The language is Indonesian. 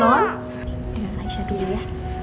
bilang raisa dulu ya